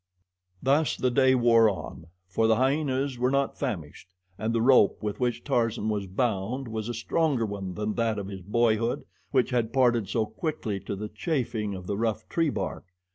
Thus the day wore on, for the hyenas were not famished, and the rope with which Tarzan was bound was a stronger one than that of his boyhood, which had parted so quickly to the chafing of the rough tree bark.